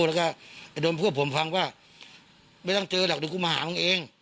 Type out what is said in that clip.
แล้วก็โดนเพื่อผมฟังว่าไม่ต้องเจอแล้วดูกูมาหาคุณเอง